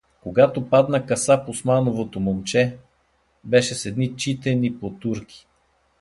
Когато падна Касап Османовото момче… беше с едни читени потурки.